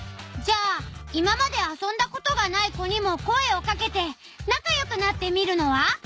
じゃあ今まで遊んだことがない子にも声をかけてなかよくなってみるのは？